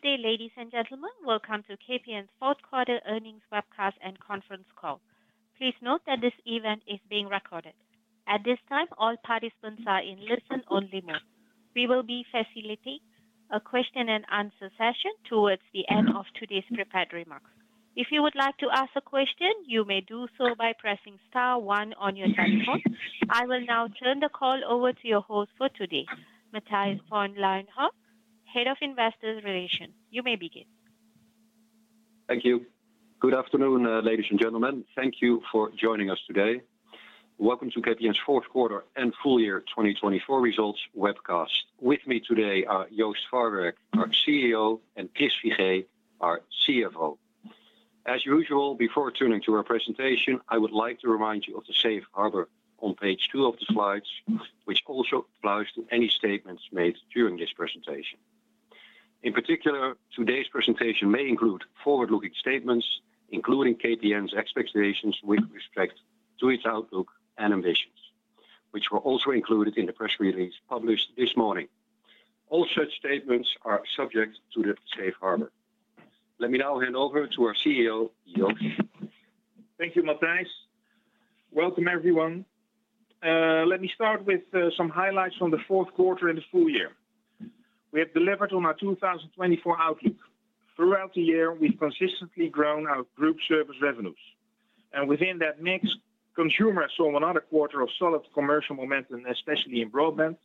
Good day, ladies and gentlemen. Welcome to KPN's fourth quarter earnings webcast and conference call. Please note that this event is being recorded. At this time, all participants are in listen-only mode. We will be facilitating a question-and-answer session towards the end of today's prepared remarks. If you would like to ask a question, you may do so by pressing star one on your telephone. I will now turn the call over to your host for today, Matthijs Van Leijenhorst, Head of Investor Relations. You may begin. Thank you. Good afternoon, ladies and gentlemen. Thank you for joining us today. Welcome to KPN's fourth quarter and full year 2024 results webcast. With me today are Joost Farwerck, our CEO, and Chris Figee, our CFO. As usual, before turning to our presentation, I would like to remind you of the Safe Harbor on page two of the slides, which also applies to any statements made during this presentation. In particular, today's presentation may include forward-looking statements, including KPN's expectations with respect to its outlook and ambitions, which were also included in the press release published this morning. All such statements are subject to the Safe Harbor. Let me now hand over to our CEO, Joost. Thank you, Matthijs. Welcome, everyone. Let me start with some highlights from the fourth quarter and the full year. We have delivered on our 2024 outlook. Throughout the year, we've consistently grown our group service revenues. And within that mix, consumers saw another quarter of solid commercial momentum, especially in broadband.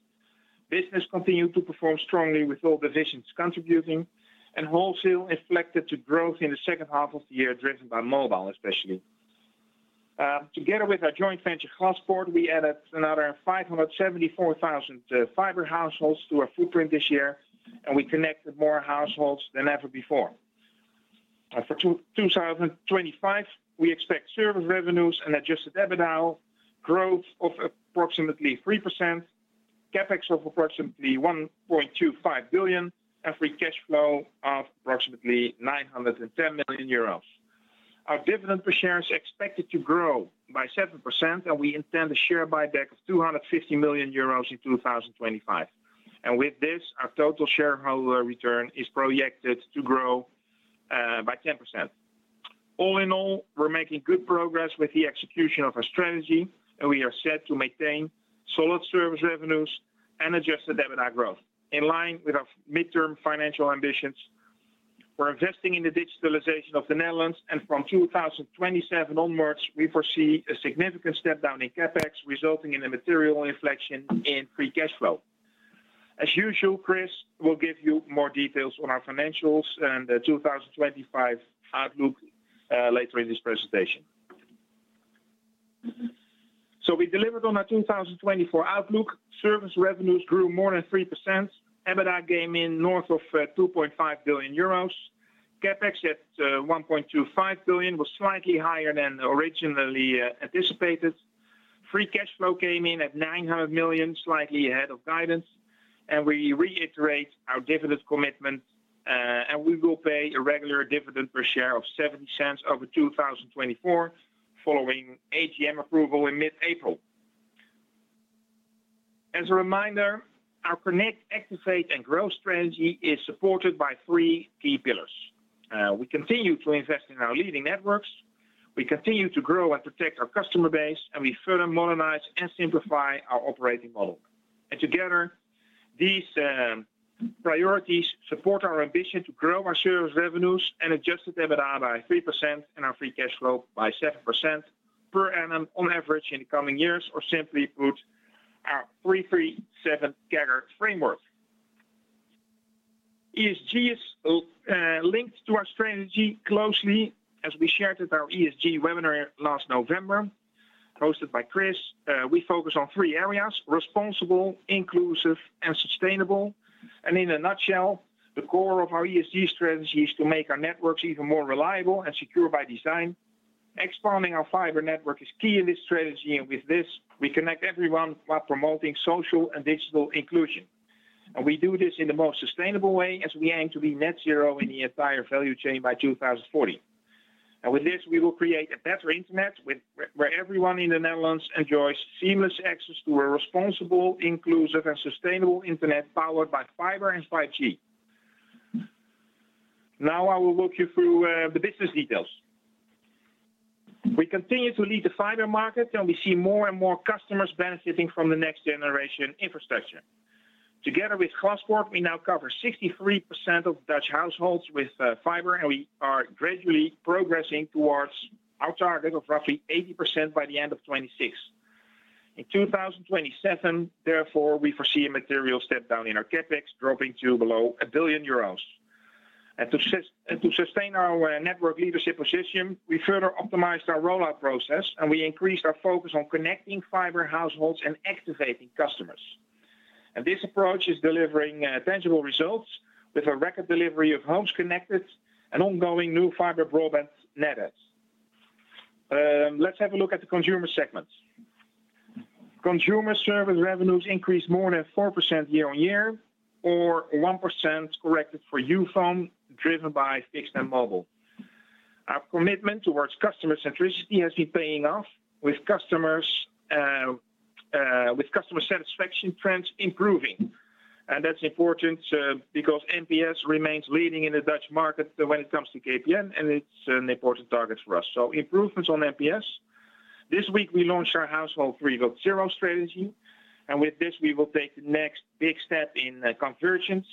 Business continued to perform strongly with all divisions contributing, and wholesale reflected growth in the second half of the year, driven by mobile, especially. Together with our joint venture, Glaspoort, we added another 574,000 fiber households to our footprint this year, and we connected more households than ever before. For 2025, we expect service revenues and adjusted EBITDA growth of approximately 3%, CapEx of approximately 1.25 billion, and free cash flow of approximately 910 million euros. Our dividend per share is expected to grow by 7%, and we intend a share buyback of 250 million euros in 2025. With this, our total shareholder return is projected to grow by 10%. All in all, we're making good progress with the execution of our strategy, and we are set to maintain solid service revenues and adjusted EBITDA growth in line with our midterm financial ambitions. We're investing in the digitalization of the Netherlands, and from 2027 onwards, we foresee a significant step down in CapEx, resulting in a material inflection in free cash flow. As usual, Chris will give you more details on our financials and the 2025 outlook later in this presentation. We delivered on our 2024 outlook. Service revenues grew more than 3%. EBITDA came in north of 2.5 billion euros. CapEx at 1.25 billion was slightly higher than originally anticipated. Free cash flow came in at 900 million, slightly ahead of guidance. We reiterate our dividend commitment, and we will pay a regular dividend per share of 0.70 over 2024, following AGM approval in mid-April. As a reminder, our connect, activate, and grow strategy is supported by three key pillars. We continue to invest in our leading networks. We continue to grow and protect our customer base, and we further modernize and simplify our operating model. Together, these priorities support our ambition to grow our service revenues and adjusted EBITDA by 3% and our free cash flow by 7% per annum on average in the coming years, or simply put, our 3-3-7 CAGR framework. ESG is linked to our strategy closely. As we shared at our ESG webinar last November, hosted by Chris, we focus on three areas responsible, inclusive, and sustainable. In a nutshell, the core of our ESG strategy is to make our networks even more reliable and secure by design. Expanding our fiber network is key in this strategy, and with this, we connect everyone while promoting social and digital inclusion. We do this in the most sustainable way, as we aim to be net zero in the entire value chain by 2040. With this, we will create a better internet where everyone in the Netherlands enjoys seamless access to a responsible, inclusive, and sustainable internet powered by fiber and 5G. Now I will walk you through the business details. We continue to lead the fiber market, and we see more and more customers benefiting from the next generation infrastructure. Together with Glaspoort, we now cover 63% of Dutch households with fiber, and we are gradually progressing towards our target of roughly 80% by the end of 2026. In 2027, therefore, we foresee a material step down in our CapEx, dropping to below 1 billion euros, and to sustain our network leadership position, we further optimized our rollout process, and we increased our focus on connecting fiber households and activating customers, and this approach is delivering tangible results with a record delivery of homes connected and ongoing new fiber broadband net adds. Let's have a look at the consumer segment. Consumer service revenues increased more than 4% year on year, or 1%, corrected for Youfone, driven by fixed and mobile. Our commitment towards customer centricity has been paying off, with customer satisfaction trends improving. And that's important because NPS remains leading in the Dutch market when it comes to KPN, and it's an important target for us. So improvements on NPS. This week, we launched our Household 3.0 strategy, and with this, we will take the next big step in convergence,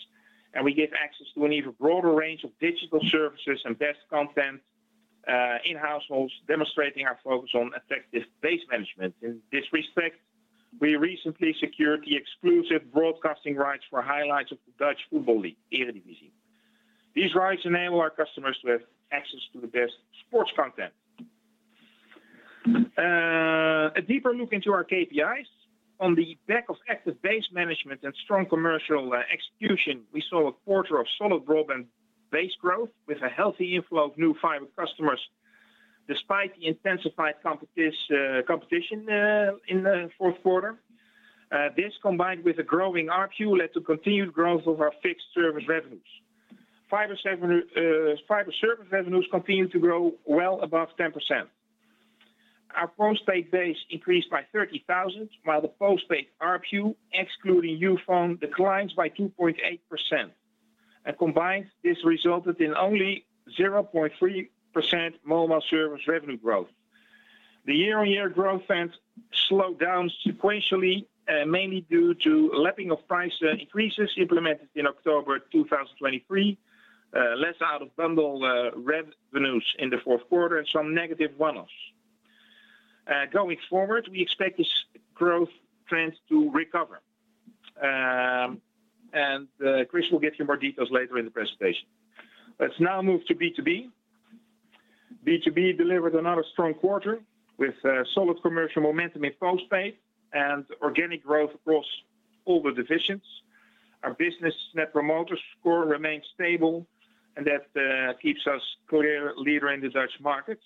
and we give access to an even broader range of digital services and best content in households, demonstrating our focus on effective base management. In this respect, we recently secured the exclusive broadcasting rights for highlights of the Dutch Football League, Eredivisie. These rights enable our customers to have access to the best sports content. A deeper look into our KPIs. On the back of active base management and strong commercial execution, we saw a quarter of solid broadband base growth with a healthy inflow of new fiber customers. Despite the intensified competition in the fourth quarter, this, combined with a growing ARPU, led to continued growth of our fixed service revenues. Fiber service revenues continue to grow well above 10%. Our postpaid base increased by 30,000, while the postpaid ARPU, excluding Youfone, declines by 2.8%, and combined, this resulted in only 0.3% mobile service revenue growth. The year-on-year growth slowed down sequentially, mainly due to lapping of price increases implemented in October 2023, less out-of-bundle revenues in the fourth quarter, and some negative one-offs. Going forward, we expect this growth trend to recover, and Chris will give you more details later in the presentation. Let's now move to B2B. B2B delivered another strong quarter with solid commercial momentum in postpaid and organic growth across all the divisions. Our business Net Promoter Score remains stable, and that keeps us the clear leader in the Dutch market.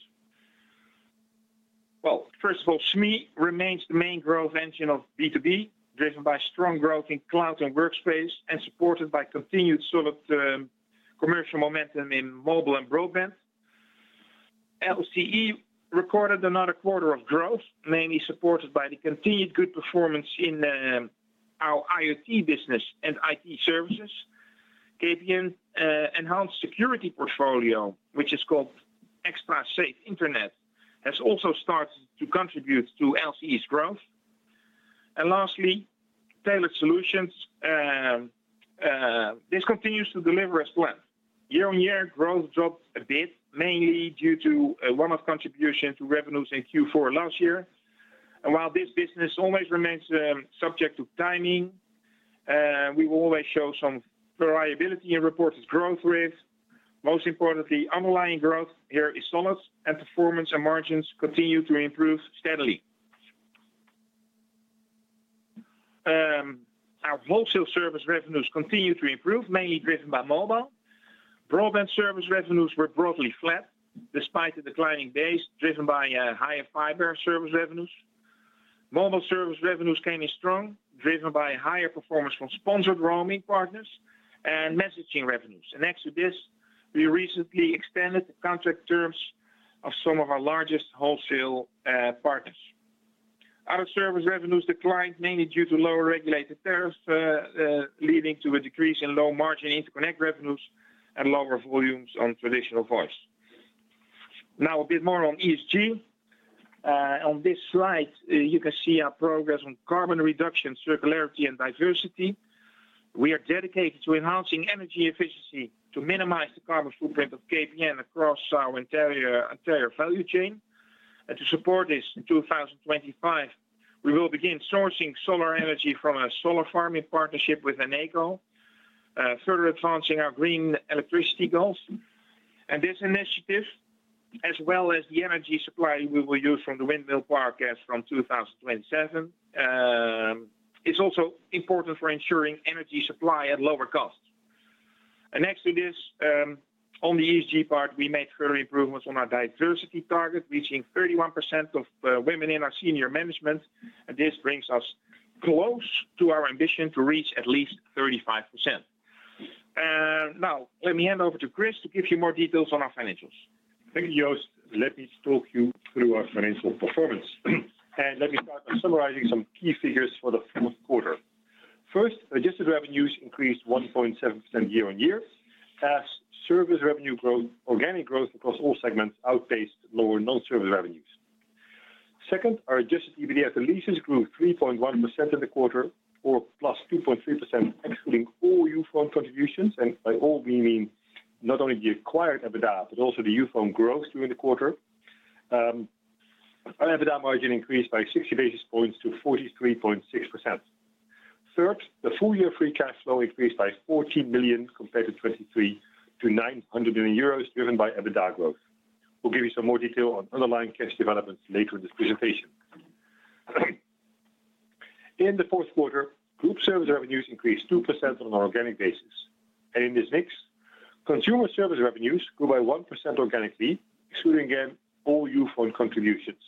First of all, SME remains the main growth engine of B2B, driven by strong growth in cloud and workspace and supported by continued solid commercial momentum in mobile and broadband. LCE recorded another quarter of growth, mainly supported by the continued good performance in our IoT business and IT services. KPN's enhanced security portfolio, which is called Extra Safe Internet, has also started to contribute to LCE's growth. And lastly, tailored solutions. This continues to deliver as planned. Year on year, growth dropped a bit, mainly due to one-off contribution to revenues in Q4 last year. And while this business always remains subject to timing, we will always show some variability in reported growth risk. Most importantly, underlying growth here is solid, and performance and margins continue to improve steadily. Our wholesale service revenues continue to improve, mainly driven by mobile. Broadband service revenues were broadly flat despite a declining base, driven by higher fiber service revenues. Mobile service revenues came in strong, driven by higher performance from sponsored roaming partners and messaging revenues. And next to this, we recently extended the contract terms of some of our largest wholesale partners. Our service revenues declined mainly due to lower regulated tariffs, leading to a decrease in low-margin interconnect revenues and lower volumes on traditional voice. Now a bit more on ESG. On this slide, you can see our progress on carbon reduction, circularity, and diversity. We are dedicated to enhancing energy efficiency to minimize the carbon footprint of KPN across our entire value chain. And to support this in 2025, we will begin sourcing solar energy from a solar farming partnership with Eneco, further advancing our green electricity goals. This initiative, as well as the energy supply we will use from the windmill park from 2027, is also important for ensuring energy supply at lower costs. Next to this, on the ESG part, we made further improvements on our diversity target, reaching 31% of women in our senior management. This brings us close to our ambition to reach at least 35%. Now, let me hand over to Chris to give you more details on our financials. Thank you, Joost. Let me talk you through our financial performance. Let me start by summarizing some key figures for the fourth quarter. First, adjusted revenues increased 1.7% year on year, as service revenue growth, organic growth across all segments, outpaced lower non-service revenues. Second, our Adjusted EBITDA AL grew 3.1% in the quarter, or plus 2.3%, excluding all Youfone contributions. By all, we mean not only the acquired EBITDA, but also the Youfone growth during the quarter. Our EBITDA margin increased by 60 basis points to 43.6%. Third, the full-year Free Cash Flow increased by 14 million compared to 2023 to 900 million euros, driven by EBITDA growth. We'll give you some more detail on underlying cash developments later in this presentation. In the fourth quarter, group service revenues increased 2% on an organic basis. In this mix, consumer service revenues grew by 1% organically, excluding again all Youfone contributions.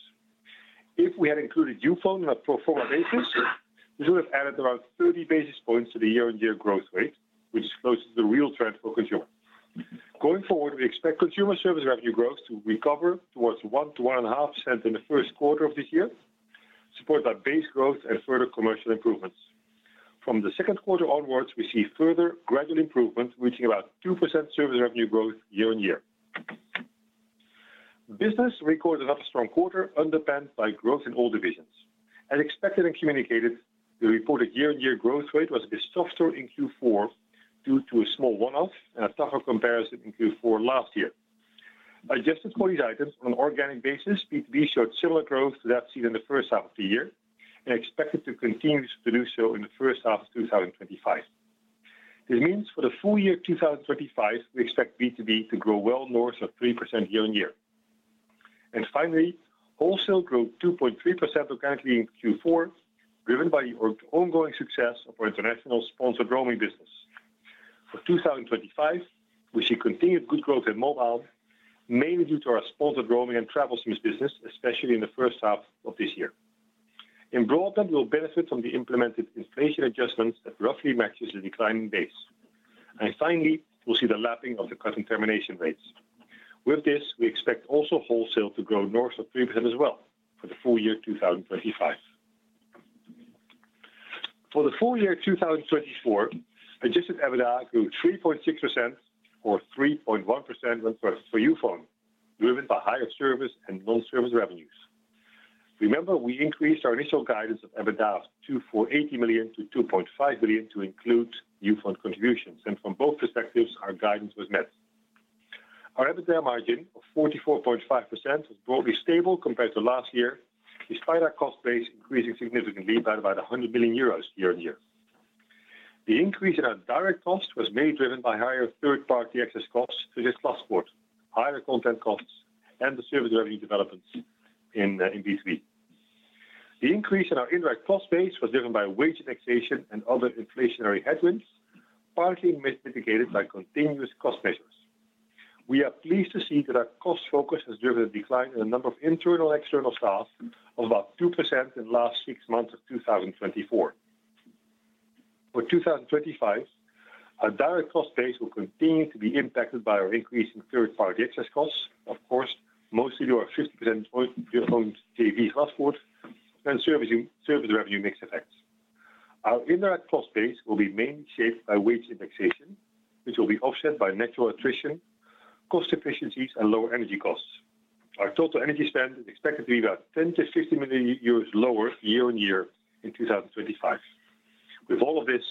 If we had included Youfone on a pro forma basis, this would have added around 30 basis points to the year-on-year growth rate, which is closer to the real trend for consumers. Going forward, we expect consumer service revenue growth to recover towards 1-1.5% in the first quarter of this year, supported by base growth and further commercial improvements. From the second quarter onwards, we see further gradual improvement, reaching about 2% service revenue growth year on year. Business recorded another strong quarter, underpinned by growth in all divisions. As expected and communicated, the reported year-on-year growth rate was a bit softer in Q4 due to a small one-off and a tougher comparison in Q4 last year. Adjusted for these items on an organic basis, B2B showed similar growth to that seen in the first half of the year and expected to continue to do so in the first half of 2025. This means for the full year 2025, we expect B2B to grow well north of 3% year on year. And finally, wholesale grew 2.3% organically in Q4, driven by the ongoing success of our international sponsored roaming business. For 2025, we see continued good growth in mobile, mainly due to our sponsored roaming and Travel SIMs business, especially in the first half of this year. In broadband, we will benefit from the implemented inflation adjustments that roughly matches the declining base. And finally, we'll see the lapping of the cut in termination rates. With this, we expect also wholesale to grow north of 3% as well for the full year 2025. For the full year 2024, adjusted EBITDA grew 3.6%, or 3.1% for Youfone, driven by higher service and non-service revenues. Remember, we increased our initial guidance of EBITDA from 2,480 million to 2.5 billion to include Youfone contributions, and from both perspectives, our guidance was met. Our EBITDA margin of 44.5% was broadly stable compared to last year, despite our cost base increasing significantly by about 100 million euros year on year. The increase in our direct cost was mainly driven by higher third-party access costs, such as Glaspoort, higher content costs, and the service revenue developments in B2B. The increase in our indirect cost base was driven by wage indexation and other inflationary headwinds, partly mitigated by continuous cost measures. We are pleased to see that our cost focus has driven a decline in the number of internal and external staff of about 2% in the last six months of 2024. For 2025, our direct cost base will continue to be impacted by our increase in third-party access costs, of course, mostly due to our 50% joint JV Glaspoort and service revenue mix effects. Our indirect cost base will be mainly shaped by wage indexation, which will be offset by natural attrition, cost efficiencies, and lower energy costs. Our total energy spend is expected to be about 10 million-15 million euros lower year on year in 2025. With all of this,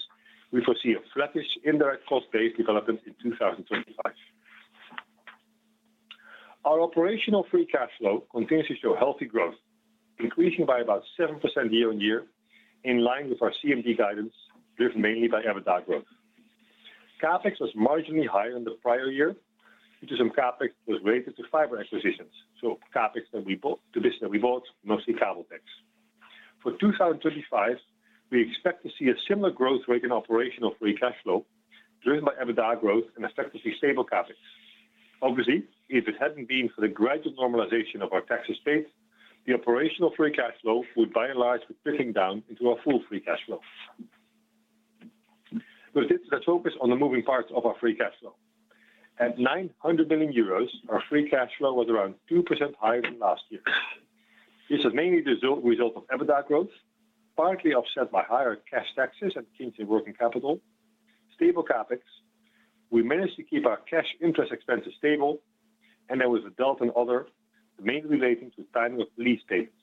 we foresee a flattish indirect cost base development in 2025. Our operational free cash flow continues to show healthy growth, increasing by about 7% year on year, in line with our CMD guidance, driven mainly by EBITDA growth. CapEx was marginally higher than the prior year, due to some CapEx that was related to fiber acquisitions. So CapEx that we bought, mostly Kabeltex. For 2025, we expect to see a similar growth rate in operational free cash flow, driven by EBITDA growth and effectively stable CapEx. Obviously, if it hadn't been for the gradual normalization of our tax rate, the operational free cash flow would by and large be dripping down into our full free cash flow. With this, let's focus on the moving parts of our free cash flow. At 900 million euros, our free cash flow was around 2% higher than last year. This was mainly the result of EBITDA growth, partly offset by higher cash taxes and changing working capital, stable CapEx. We managed to keep our cash interest expenses stable, and there was a delta in other, mainly relating to the timing of lease payments.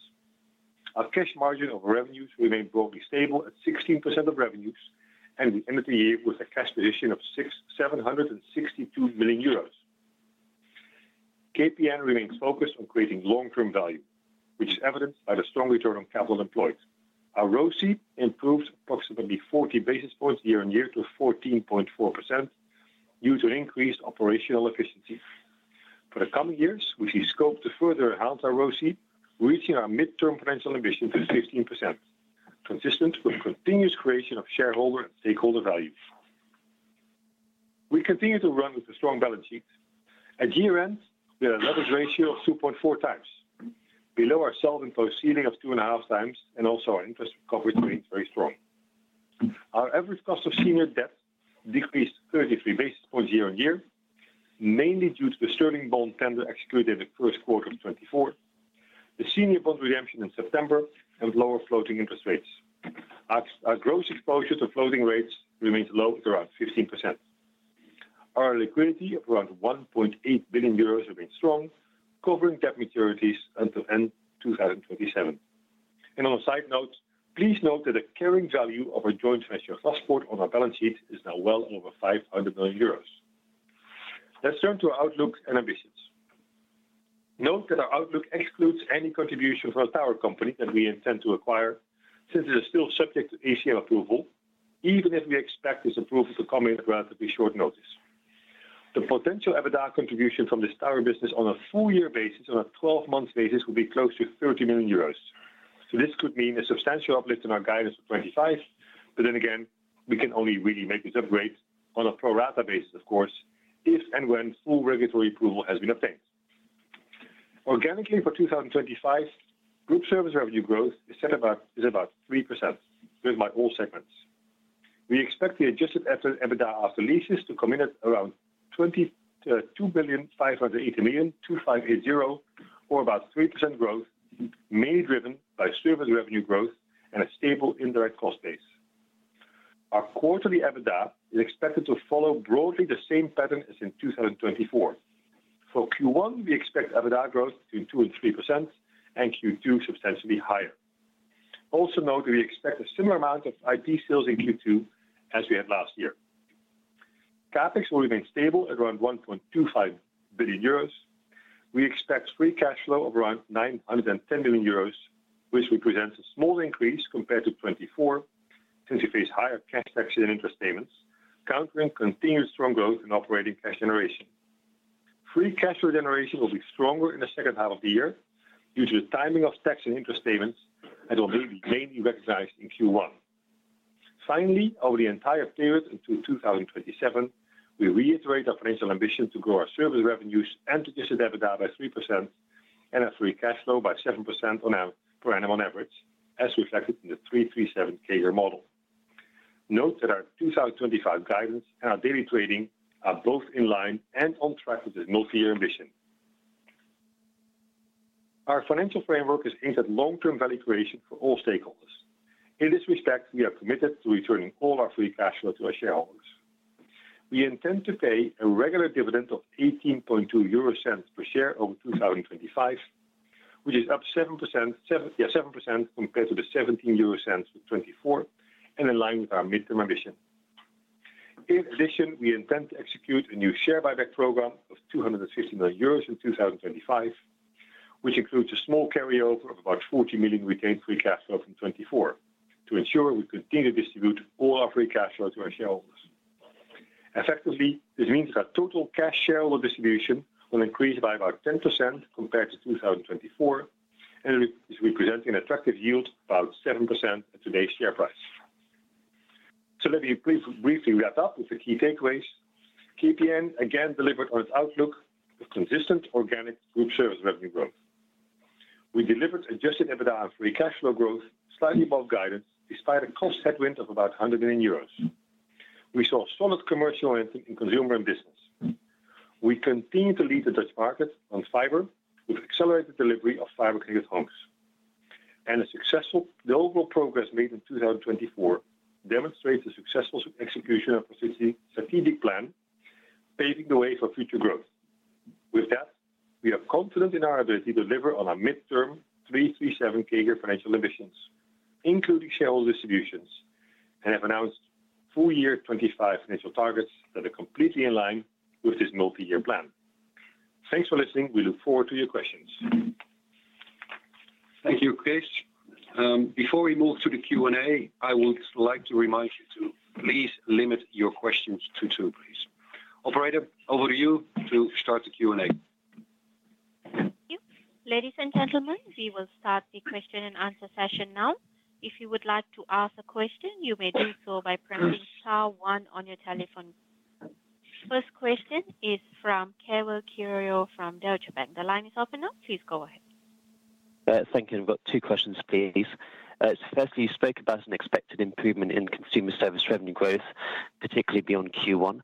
Our cash margin of revenues remained broadly stable at 16% of revenues, and we ended the year with a cash position of 762 million euros. KPN remains focused on creating long-term value, which is evident by the strong return on capital employed. Our ROCE improved approximately 40 basis points year on year to 14.4%, due to an increased operational efficiency. For the coming years, we see scope to further enhance our ROCE, reaching our midterm potential ambition to 15%, consistent with continuous creation of shareholder and stakeholder value. We continue to run with a strong balance sheet. At year-end, we had a leverage ratio of 2.4 times, below our self-imposed ceiling of 2.5x, and also our interest coverage remains very strong. Our average cost of senior debt decreased 33 basis points year on year, mainly due to the sterling bond tender executed in the first quarter of 2024, the senior bond redemption in September, and lower floating interest rates. Our gross exposure to floating rates remains low at around 15%. Our liquidity of around 1.8 billion euros remains strong, covering debt maturities until end 2027. On a side note, please note that the carrying value of our joint venture, Glaspoort, on our balance sheet is now well over 500 million euros. Let's turn to our outlook and ambitions. Note that our outlook excludes any contribution from a tower company that we intend to acquire, since it is still subject to ACM approval, even if we expect this approval to come in at relatively short notice. The potential EBITDA contribution from this tower business on a full-year basis on a 12 month basis will be close to 30 million euros. So this could mean a substantial uplift in our guidance for 2025, but then again, we can only really make this upgrade on a pro rata basis, of course, if and when full regulatory approval has been obtained. Organically for 2025, group service revenue growth is set about 3%, driven by all segments. We expect the adjusted EBITDA after leases to come in at around 2.258 billion, or about 3% growth, mainly driven by service revenue growth and a stable indirect cost base. Our quarterly EBITDA is expected to follow broadly the same pattern as in 2024. For Q1, we expect EBITDA growth between 2% and 3%, and Q2 substantially higher. Also note that we expect a similar amount of IP sales in Q2 as we had last year. CapEx will remain stable at around 1.25 billion euros. We expect free cash flow of around 910 million euros, which represents a small increase compared to 2024, since we face higher cash taxes and interest payments, countering continued strong growth in operating cash generation. Free cash flow generation will be stronger in the second half of the year due to the timing of tax and interest payments that will be mainly recognized in Q1. Finally, over the entire period until 2027, we reiterate our financial ambition to grow our service revenues and adjusted EBITDA by 3% and our free cash flow by 7% per annum on average, as reflected in the 3-3-7 year model. Note that our 2025 guidance and our daily trading are both in line and on track with this multi-year ambition. Our financial framework is aimed at long-term value creation for all stakeholders. In this respect, we are committed to returning all our free cash flow to our shareholders. We intend to pay a regular dividend of 0.182 per share over 2025, which is up 7% compared to the 0.17 in 2024, and in line with our midterm ambition. In addition, we intend to execute a new share buyback program of 250 million euros in 2025, which includes a small carryover of about 40 million retained free cash flow from 2024, to ensure we continue to distribute all our free cash flow to our shareholders. Effectively, this means that our total cash shareholder distribution will increase by about 10% compared to 2024, and is representing an attractive yield of about 7% at today's share price, so let me briefly wrap up with the key takeaways. KPN again delivered on its outlook of consistent organic group service revenue growth. We delivered adjusted EBITDA and free cash flow growth slightly above guidance, despite a cost headwind of about 100 million euros. We saw solid commercial momentum in consumer and business. We continue to lead the Dutch market on fiber, with accelerated delivery of fiber-connected homes, and the successful overall progress made in 2024 demonstrates the successful execution of our strategic plan, paving the way for future growth. With that, we are confident in our ability to deliver on our mid-term 3-3-7 year financial ambitions, including shareholder distributions, and have announced full year 2025 financial targets that are completely in line with this multi-year plan. Thanks for listening. We look forward to your questions. Thank you, Chris. Before we move to the Q&A, I would like to remind you to please limit your questions to two, please. Operator, over to you to start the Q&A. Ladies and gentlemen, we will start the question and answer session now. If you would like to ask a question, you may do so by pressing star one on your telephone. First question is from Keval Khiroya from Deutsche Bank. The line is open now. Please go ahead. Thank you. We've got two questions, please. Firstly, you spoke about an expected improvement in consumer service revenue growth, particularly beyond Q1.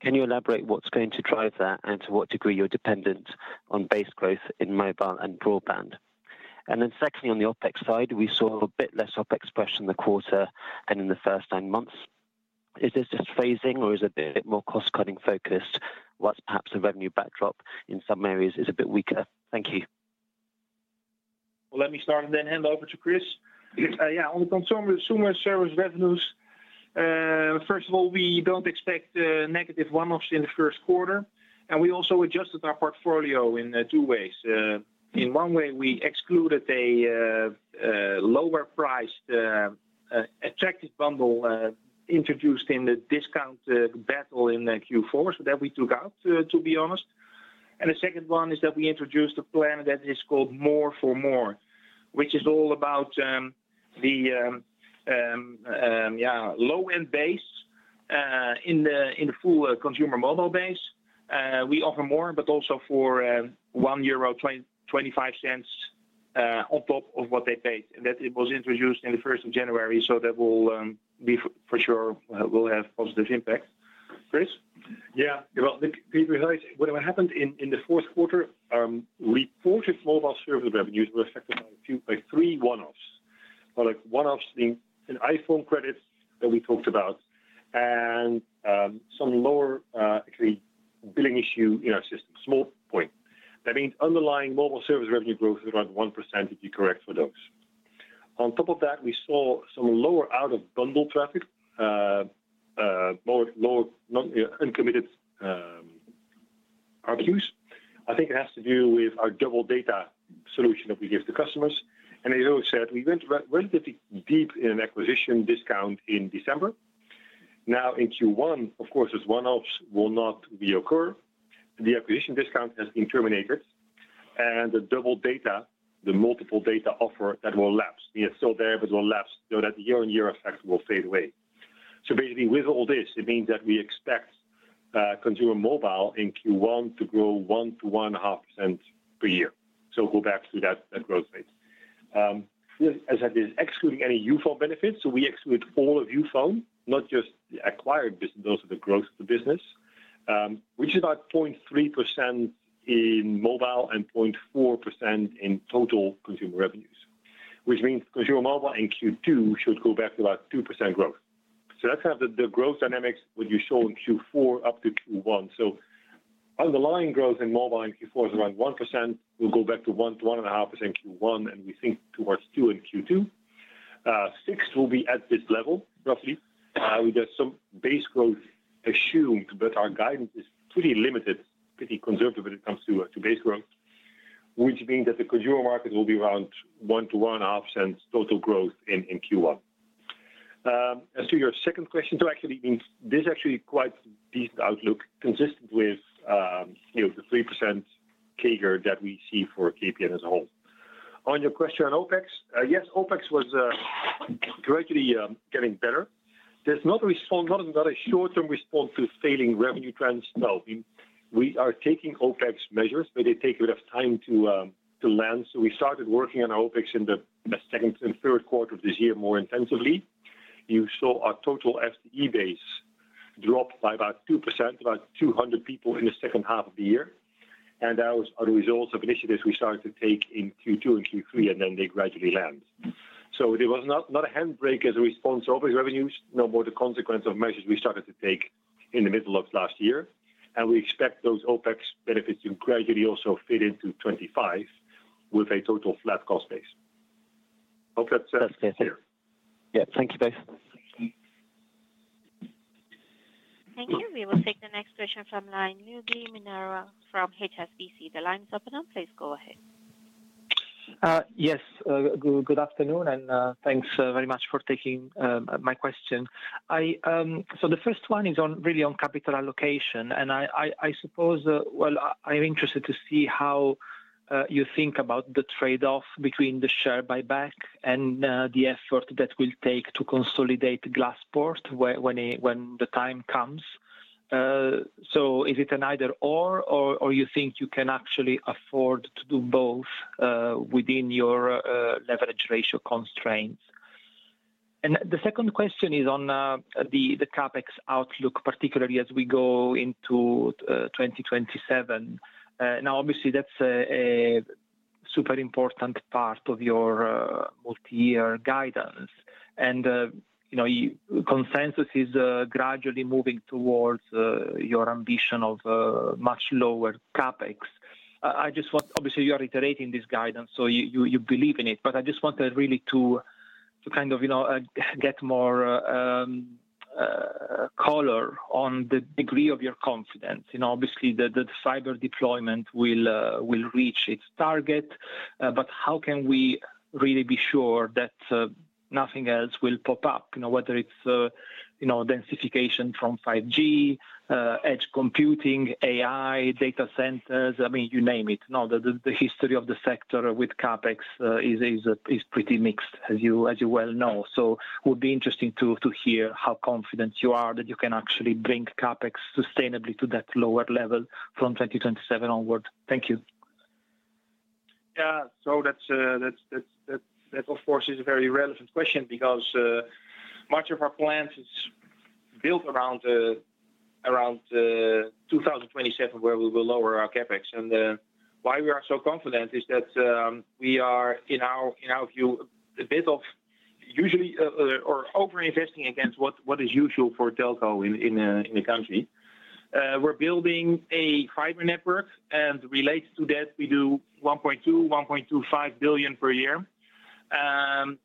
Can you elaborate what's going to drive that and to what degree you're dependent on base growth in mobile and broadband? And then secondly, on the OpEx side, we saw a bit less OpEx pressure in the quarter than in the first nine months. Is this just phasing, or is it a bit more cost-cutting focused? What's perhaps a revenue backdrop in some areas is a bit weaker. Thank you. Well, let me start and then hand over to Chris. Yeah, on the consumer service revenues, first of all, we don't expect negative one-offs in the first quarter. And we also adjusted our portfolio in two ways. In one way, we excluded a lower-priced attractive bundle introduced in the discount battle in Q4, so that we took out, to be honest. The second one is that we introduced a plan that is called More for More, which is all about the low-end base in the full consumer mobile base. We offer more, but also for 1.25 euro on top of what they paid. And that was introduced in the first of January, so that will for sure have a positive impact. Chris? Yeah well, whatever happened in the fourth quarter, reported mobile service revenues were affected by three one-offs. One-offs being an iPhone credit that we talked about and some lower billing issue in our system small point. That means underlying mobile service revenue growth is around 1%, if you correct for those. On top of that, we saw some lower out-of-bundle traffic, lower uncommitted RQs. I think it has to do with our double data solution that we give to customers. As I said, we went relatively deep in an acquisition discount in December. Now, in Q1, of course, those one-offs will not reoccur. The acquisition discount has been terminated, and the double data, the multiple data offer that will lapse. It's still there, but it will lapse. That year-on-year effect will fade away. Basically, with all this, it means that we expect consumer mobile in Q1 to grow 1 to1.5% per year. Go back to that growth rate. As I said, this is excluding any Youfone benefits. We exclude all of Youfone, not just the acquired business, those are the growth of the business, which is about 0.3% in mobile and 0.4% in total consumer revenues, which means consumer mobile in Q2 should go back to about 2% growth. That's kind of the growth dynamics that you saw in Q4 up to Q1. So underlying growth in mobile in Q4 is around 1%. We'll go back to 1 to1.5% Q1, and we think towards 2% in Q2. Q3 will be at this level, roughly. We get some base growth assumed, but our guidance is pretty limited, pretty conservative when it comes to base growth, which means that the consumer market will be around 1-1.5% total growth in Q1. As to your second question, so actually, this is actually quite a decent outlook, consistent with the 3% CAGR that we see for KPN as a whole. On your question on OpEx, yes, OpEx was gradually getting better. There's not a short-term response to failing revenue trends. No. We are taking OpEx measures, but they take a bit of time to land. So we started working on our OpEx in the second and third quarter of this year more intensively. You saw our total FTE base drop by about 2%, about 200 people in the second half of the year, and that was a result of initiatives we started to take in Q2 and Q3, and then they gradually land, so there was not a handbrake as a response to OpEx revenues, no, more the consequence of measures we started to take in the middle of last year, and we expect those OpEx benefits to gradually also fit into 2025 with a total flat cost base. Hope that's clear. Yeah, thank you both. Thank you. We will take the next question from Luigi Minerva from HSBC. The line is open now. Please go ahead. Yes, good afternoon, and thanks very much for taking my question. So the first one is really on capital allocation, and I suppose, well, I'm interested to see how you think about the trade-off between the share buyback and the effort that will take to consolidate Glaspoort when the time comes. So is it an either/or, or you think you can actually afford to do both within your leverage ratio constraints? And the second question is on the CapEx outlook, particularly as we go into 2027. Now, obviously, that's a super important part of your multi-year guidance. And consensus is gradually moving towards your ambition of much lower CapEx. I just want, obviously, you are iterating this guidance, so you believe in it, but I just wanted really to kind of get more color on the degree of your confidence. Obviously, the fiber deployment will reach its target, but how can we really be sure that nothing else will pop up, whether it's densification from 5G, edge computing, AI, data centers? I mean, you name it. The history of the sector with CapEx is pretty mixed, as you well know. So it would be interesting to hear how confident you are that you can actually bring CapEx sustainably to that lower level from 2027 onward. Thank you. Yeah, so that, of course, is a very relevant question because much of our plan is built around 2027, where we will lower our CapEx, and why we are so confident is that we are, in our view, a bit unusually or over-investing against what is usual for a telco in the country. We're building a fiber network, and related to that, we do 1.2 billion to 1.25 billion per year. And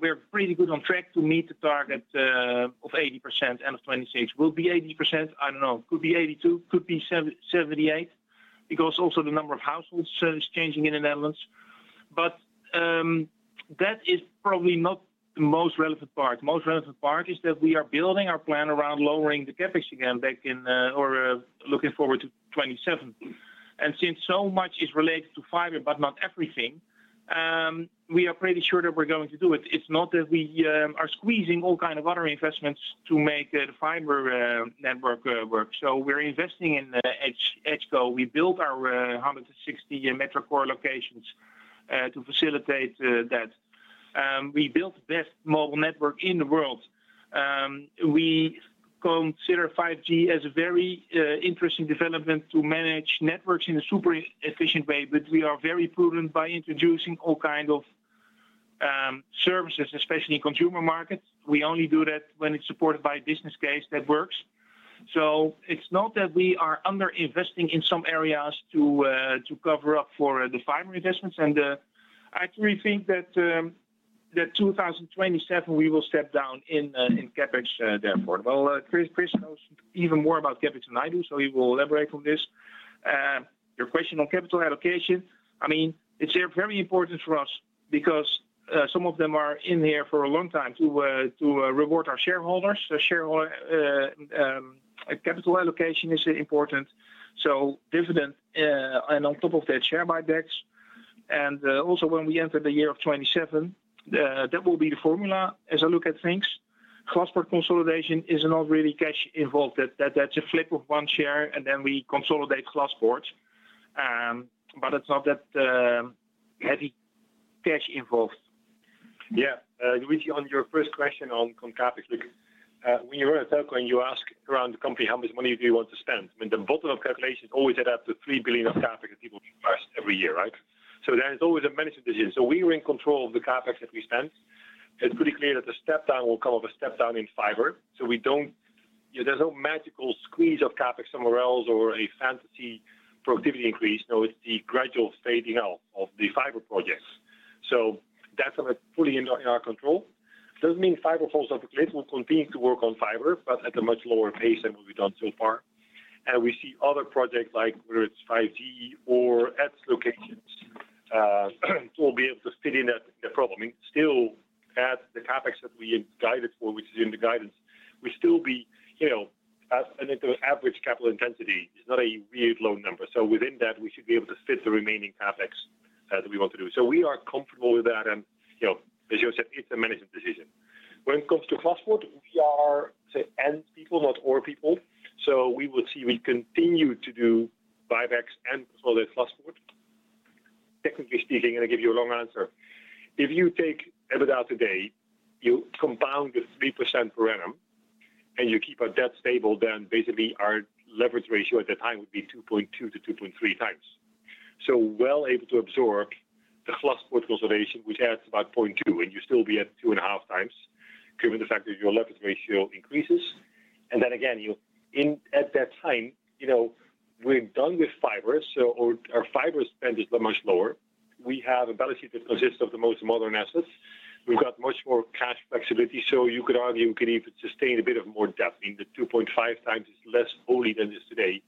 we're pretty good on track to meet the target of 80% end of 2026. Will it be 80%? I don't know. Could be 82, could be 78, because also the number of households is changing in the Netherlands. But that is probably not the most relevant part. The most relevant part is that we are building our plan around lowering the CapEx again back in or looking forward to 2027. And since so much is related to fiber, but not everything, we are pretty sure that we're going to do it. It's not that we are squeezing all kinds of other investments to make the fiber network work. So we're investing in edge computing. We built our 160 MetroCore locations to facilitate that. We built the best mobile network in the world. We consider 5G as a very interesting development to manage networks in a super efficient way, but we are very prudent by introducing all kinds of services, especially in consumer markets. We only do that when it's supported by a business case that works. It's not that we are under-investing in some areas to cover up for the fiber investments. I truly think that in 2027, we will step down in CapEx therefore. Chris knows even more about CapEx than I do, so he will elaborate on this. Your question on capital allocation, I mean, it's very important for us because some of them are in here for a long time to reward our shareholders. Capital allocation is important. Dividend and on top of that, share buybacks. When we enter the year of 2027, that will be the formula as I look at things. Glaspoort consolidation is not really cash involved. That's a flip of one share, and then we consolidate Glaspoort. But it's not that heavy cash involved. Yeah, with you on your first question on CapEx, look, when you run a telco and you ask around the company how much money do you want to spend, I mean, the bottom of calculations always add up to three billion of CapEx that people request every year, right? So there is always a management decision. So we are in control of the CapEx that we spend. It's pretty clear that the step down will come, a step down in fiber. So there's no magical squeeze of CapEx somewhere else or a fantasy productivity increase. No, it's the gradual fading out of the fiber projects. So that's fully in our control. Doesn't mean fiber falls off a cliff. We'll continue to work on fiber, but at a much lower pace than what we've done so far. And we see other projects, like whether it's 5G or edge locations, we'll be able to fit in that problem. Still, at the CapEx that we guided for, which is in the guidance, we still be at an average capital intensity. It's not a weird low number. So within that, we should be able to fit the remaining CapEx that we want to do. So we are comfortable with that. And as you said, it's a management decision. When it comes to Glaspoort, we are end people, not ore people. So we will see we continue to do buybacks and consolidate Glaspoort. Technically speaking, and I give you a long answer. If you take EBITDA today, you compound with 3% per annum, and you keep our debt stable, then basically our leverage ratio at that time would be 2.2 to 2.3 times. So well able to absorb the Glaspoort consolidation, which adds about 0.2, and you'd still be at 2.5 times given the fact that your leverage ratio increases. And then again, at that time, we're done with fiber, so our fiber spend is much lower. We have a balance sheet that consists of the most modern assets. We've got much more cash flexibility. So you could argue we could even sustain a bit of more debt. I mean, the 2.5 times is less holy than it is today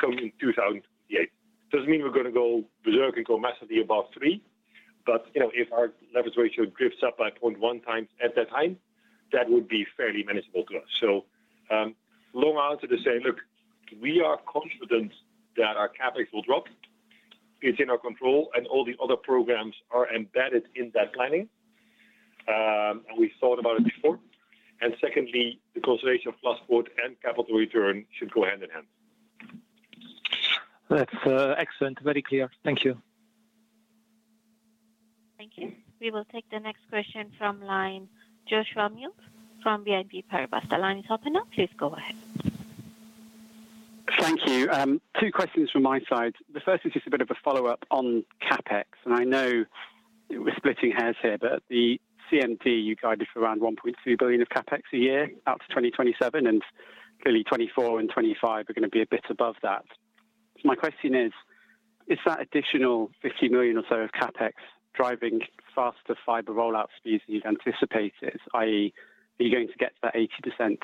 coming in 2028. Doesn't mean we're going to go berserk and go massively above 3. But if our leverage ratio drifts up by 0.1 times at that time, that would be fairly manageable to us. So long answer to say, look, we are confident that our CapEx will drop. It's in our control, and all the other programs are embedded in that planning, and we thought about it before. And secondly, the consolidation of Glaspoort and capital return should go hand in hand. That's excellent. Very clear. Thank you. Thank you. We will take the next question from Joshua Mills from BNP Paribas Exane. Your line is open. Please go ahead. Thank you. Two questions from my side. The first is just a bit of a follow-up on CapEx. And I know we're splitting hairs here, but the CMD, you guided for around 1.2 billion of CapEx a year out to 2027, and clearly 2024 and 2025 are going to be a bit above that. My question is, is that additional 50 million or so of CapEx driving faster fiber rollout speeds than you've anticipated, i.e., are you going to get to that 80%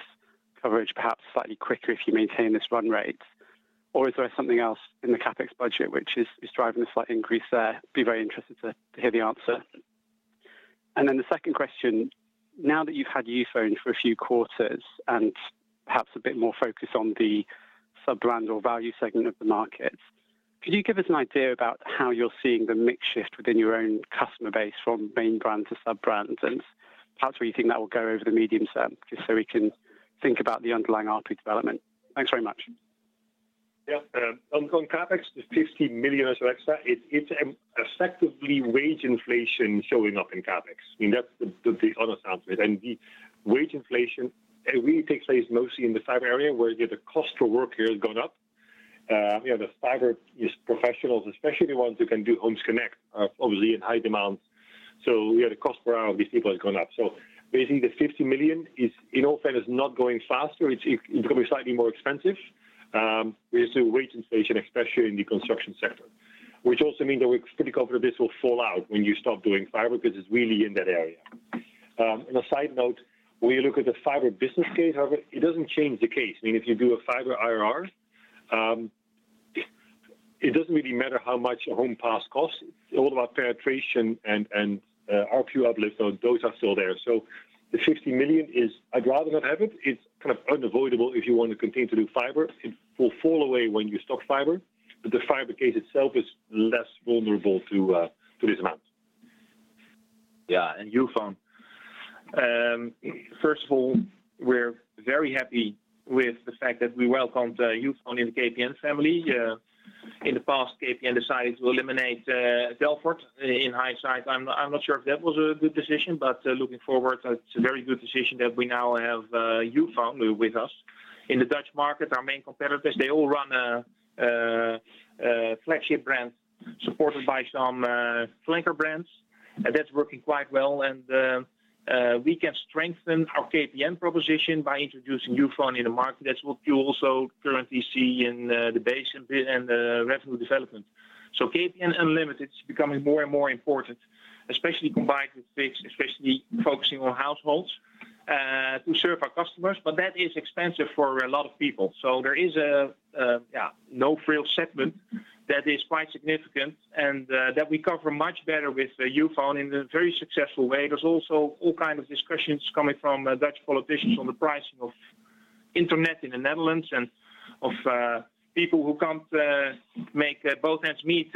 coverage perhaps slightly quicker if you maintain this run rate? Or is there something else in the CapEx budget which is driving a slight increase there? Be very interested to hear the answer. And then the second question, now that you've had Youfone for a few quarters and perhaps a bit more focus on the sub-brand or value segment of the market, could you give us an idea about how you're seeing the mix shift within your own customer base from main brand to sub-brand? And perhaps where you think that will go over the medium term, just so we can think about the underlying ARPU development. Thanks very much. Yeah, on CapEx, the 50 million or so extra, it's effectively wage inflation showing up in CapEx. I mean, that's the honest answer, and the wage inflation really takes place mostly in the fiber area where the cost per worker has gone up. The fiber professionals, especially the ones who can do Homes Connect, are obviously in high demand. So the cost per hour of these people has gone up, so basically, the 50 million is in all fairness not going faster. It's becoming slightly more expensive. There's a wage inflation, especially in the construction sector, which also means that we're pretty confident this will fall out when you stop doing fiber because it's really in that area, and a side note, when you look at the fiber business case, however, it doesn't change the case. I mean, if you do a fiber IRR, it doesn't really matter how much a home pass costs. It's all about penetration and RPU uplift. Those are still there. So the 50 million is, I'd rather not have it. It's kind of unavoidable if you want to continue to do fiber. It will fall away when you stop fiber, but the fiber case itself is less vulnerable to this amount. Yeah, and Youfone. First of all, we're very happy with the fact that we welcomed Youfone in the KPN family. In the past, KPN decided to eliminate Delford in hindsight. I'm not sure if that was a good decision, but looking forward, it's a very good decision that we now have Youfone with us. In the Dutch market, our main competitors, they all run a flagship brand supported by some flanker brands, and that's working quite well. We can strengthen our KPN proposition by introducing Youfone in the market. That's what you also currently see in the base and the revenue development. KPN Unlimited is becoming more and more important, especially combined with fixed, especially focusing on households to serve our customers. That is expensive for a lot of people. There is a no-frills segment that is quite significant and that we cover much better with Youfone in a very successful way. There's also all kinds of discussions coming from Dutch politicians on the pricing of internet in the Netherlands and of people who can't make ends meet,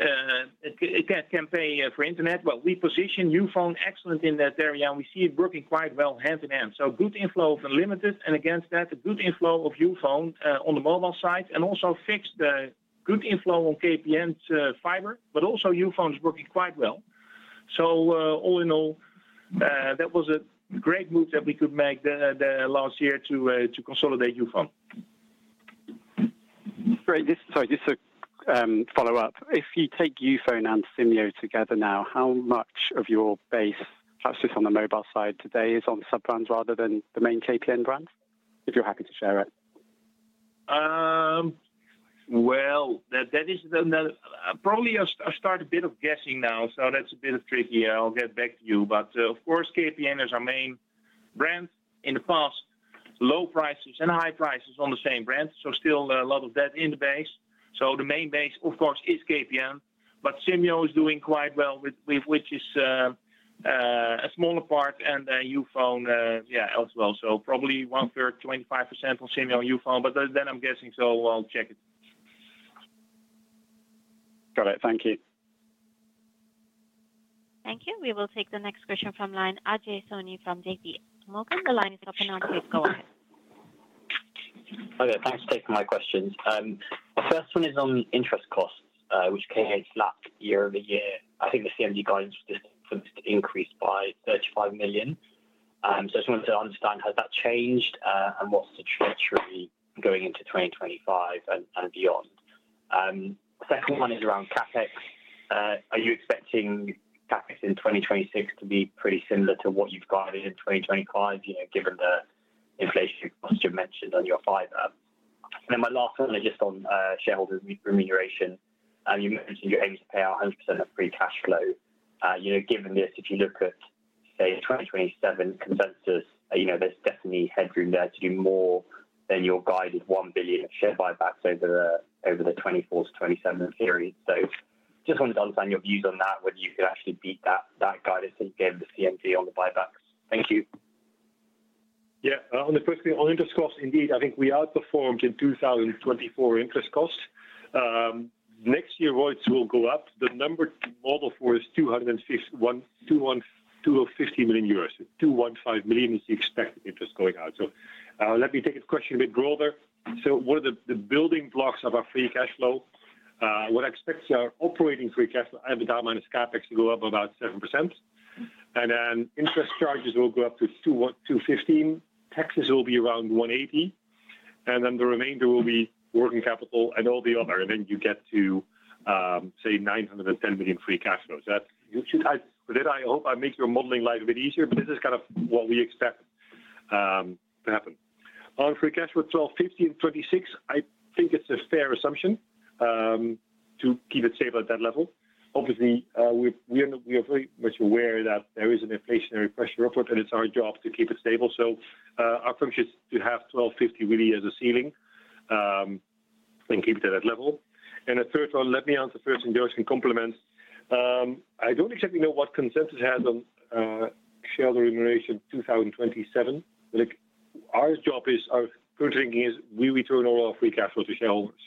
a campaign for internet. We position Youfone excellent in that area, and we see it working quite well hand in hand. Good inflow of Unlimited, and against that, a good inflow of Youfone on the mobile side, and also fixed good inflow on KPN's fiber, but also Youfone is working quite well. So all in all, that was a great move that we could make last year to consolidate Youfone. Sorry, just a follow-up. If you take Youfone and Simyo together now, how much of your base, perhaps just on the mobile side today, is on sub-brands rather than the main KPN brand, if you're happy to share it? Well, that is probably a start a bit of guessing now, so that's a bit tricky. I'll get back to you. But of course, KPN is our main brand. In the past, low prices and high prices on the same brand. So still a lot of dead in the base. So the main base, of course, is KPN, but Simyo is doing quite well, which is a smaller part, and Youfone, yeah, as well. So probably 1/3, 25% on Simyo and Youfone, but then I'm guessing, so I'll check it. Got it. Thank you. Thank you. We will take the next question from Ajay Soni from JPM. Welcome. The line is open. Please go ahead. Thanks for taking my questions. The first one is on interest costs, which was up year over year. I think the CMD guidance for this increased by 35 million. So I just wanted to understand how that changed and what's the trajectory going into 2025 and beyond. The second one is around CapEx. Are you expecting CapEx in 2026 to be pretty similar to what you've guided in 2025, given the inflation you mentioned on your fiber? And then my last one is just on shareholder remuneration. You mentioned your aim is to pay out 100% of free cash flow. Given this, if you look at, say, 2027 consensus, there's definitely headroom there to do more than your guided 1 billion of share buybacks over the 2024 to 2027 period. So just wanted to understand your views on that, whether you could actually beat that guidance that you gave the CMD on the buybacks. Thank you. Yeah, firstly, on interest costs, indeed, I think we outperformed in 2024 interest costs. Next year, costs will go up. The number we model for is 250 million euros. 215 million is the expected interest going out. So let me take the question a bit broader. So what are the building blocks of our free cash flow? What I expect our operating free cash flow, EBITDA minus CapEx, to go up about 7%. And then interest charges will go up to 215. Taxes will be around 180. And then the remainder will be working capital and all the other. And then you get to, say, 910 million free cash flow. So that should help. With it, I hope I make your modeling life a bit easier, but this is kind of what we expect to happen. On free cash flow, 1,250 in 2026, I think it's a fair assumption to keep it stable at that level. Obviously, we are very much aware that there is an inflationary pressure upward, and it's our job to keep it stable. So our function is to have 1,250 really as a ceiling and keep it at that level. And the third one, let me answer first and just comment. I don't exactly know what consensus has on share remuneration 2027. Our job is, our current thinking is we return all our free cash flow to shareholders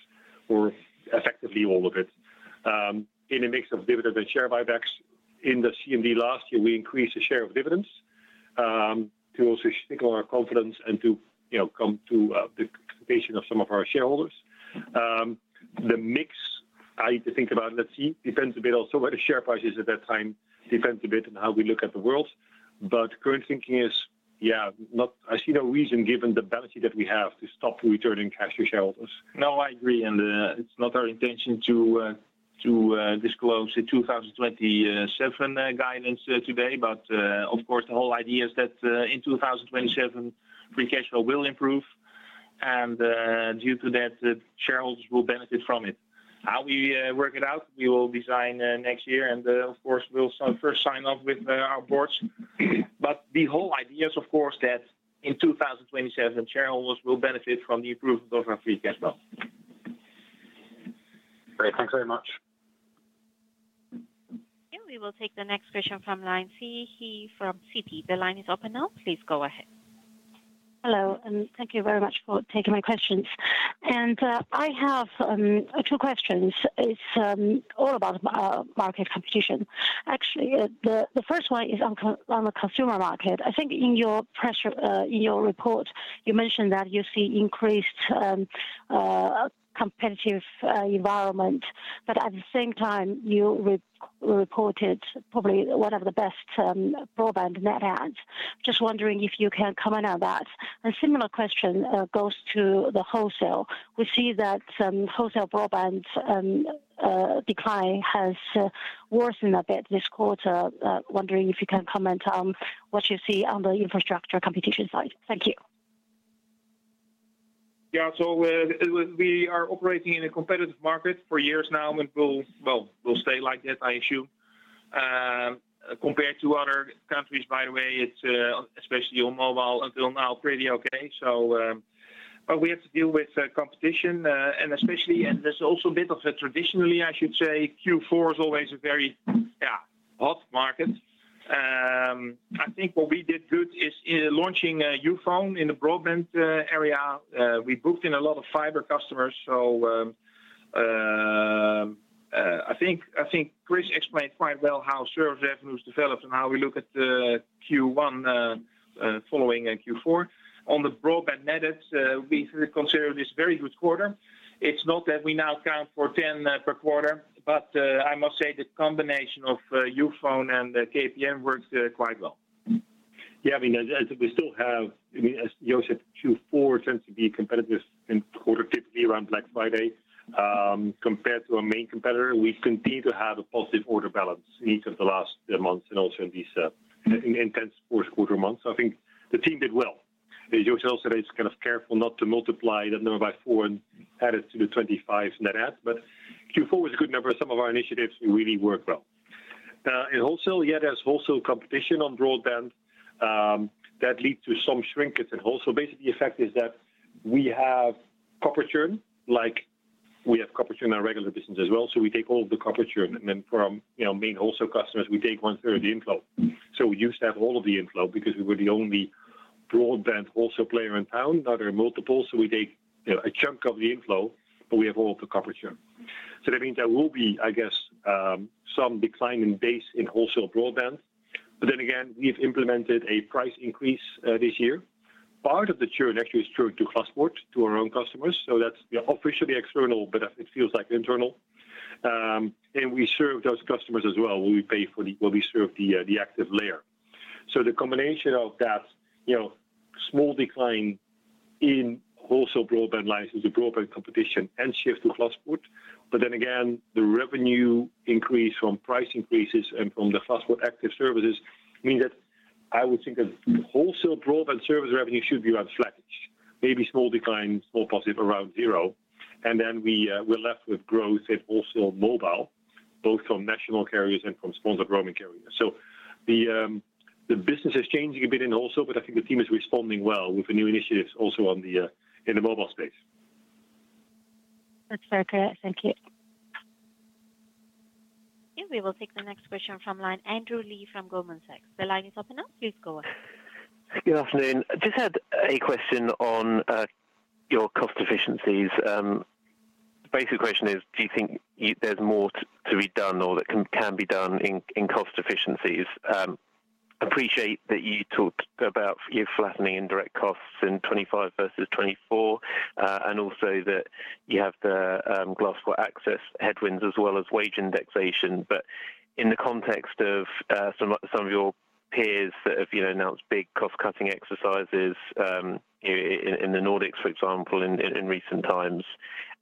or effectively all of it in a mix of dividend and share buybacks. In the CMD last year, we increased the share of dividends to also signal our confidence and to come to the expectation of some of our shareholders. The mix I need to think about, let's see, depends a bit also what the share price is at that time, depends a bit on how we look at the world. But current thinking is, yeah, I see no reason given the balance sheet that we have to stop returning cash to shareholders. No, I agree. And it's not our intention to disclose the 2027 guidance today, but of course, the whole idea is that in 2027, free cash flow will improve. Due to that, shareholders will benefit from it. How we work it out, we will design next year. Of course, we'll first sign off with our boards. The whole idea is, of course, that in 2027, shareholders will benefit from the improvement of our free cash flow. Great. Thanks very much. Okay. We will take the next question from Siyi He from Citi. The line is open. Please go ahead. Hello. Thank you very much for taking my questions. I have two questions. It's all about market competition. Actually, the first one is on the consumer market. I think in your report, you mentioned that you see increased competitive environment, but at the same time, you reported probably one of the best broadband net adds. Just wondering if you can comment on that. A similar question goes to the wholesale. We see that wholesale broadband decline has worsened a bit this quarter. Wondering if you can comment on what you see on the infrastructure competition side. Thank you. Yeah. So we are operating in a competitive market for years now, and we'll stay like that, I assume. Compared to other countries, by the way, it's especially on mobile until now, pretty okay. But we have to deal with competition, and especially, and there's also a bit of a traditionally, I should say, Q4 is always a very hot market. I think what we did good is launching Youfone in the broadband area. We booked in a lot of fiber customers. So I think Chris explained quite well how service revenues developed and how we look at Q1 following Q4. On the broadband net adds, we consider this very good quarter. It's not that we now count for 10 per quarter, but I must say the combination of Youfone and KPN worked quite well. Yeah. I mean, we still have, as Josh said, Q4 tends to be competitive in quarter, typically around Black Friday. Compared to our main competitor, we continue to have a positive order balance in each of the last months and also in these intense fourth quarter months, so I think the team did well. As Josh also said, I was kind of careful not to multiply that number by four and add it to the 25 net adds, but Q4 was a good number. Some of our initiatives really worked well. In wholesale, yeah, there's wholesale competition on broadband. That leads to some shrinkage in wholesale. Basically, the effect is that we have copper churn, like we have copper churn in our regular business as well. So we take all of the copper churn. And then from main wholesale customers, we take 1/3 of the inflow. We used to have all of the inflow because we were the only broadband wholesale player in town. Now there are multiple. So we take a chunk of the inflow, but we have all of the copper churn. So that means there will be, I guess, some decline in the base in wholesale broadband. But then again, we've implemented a price increase this year. Part of the churn actually is churn to Glaspoort, to our own customers. So that's officially external, but it feels like internal. And we serve those customers as well. We pay for the, well, we serve the active layer. So the combination of that small decline in wholesale broadband lines, the broadband competition, and shift to Glaspoort. But then again, the revenue increase from price increases and from the cross-border active services means that I would think that wholesale broadband service revenue should be around sluggish, maybe small decline, small positive around zero. And then we're left with growth in wholesale mobile, both from national carriers and from sponsored roaming carriers. So the business is changing a bit in wholesale, but I think the team is responding well with the new initiatives also in the mobile space. That's very correct. Thank you. Okay. We will take the next question from Andrew Lee from Goldman Sachs. The line is open. Please go ahead. Good afternoon. Just had a question on your cost efficiencies. The basic question is, do you think there's more to be done or that can be done in cost efficiencies? appreciate that you talked about you flattening indirect costs in 2025 versus 2024, and also that you have the Glaspoort access headwinds as well as wage indexation. But in the context of some of your peers that have announced big cost-cutting exercises in the Nordics, for example, in recent times,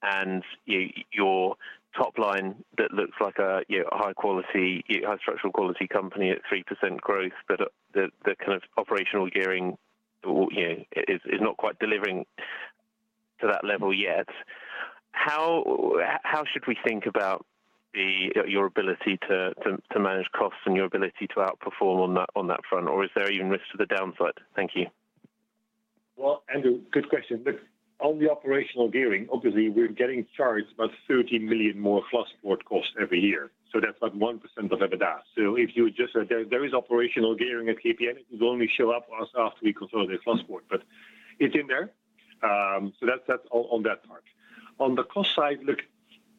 and your top line that looks like a high-quality, high-structural quality company at 3% growth, but the kind of operational gearing is not quite delivering to that level yet. How should we think about your ability to manage costs and your ability to outperform on that front? Or is there even risk to the downside? Thank you. Well, Andrew, good question. Look, on the operational gearing, obviously, we're getting charged about 30 million more CrossBoard costs every year. So that's about 1% of EBITDA. So if you would just there is operational gearing at KPN, it will only show up after we consolidate CrossBoard. But it's in there. So that's on that part. On the cost side, look,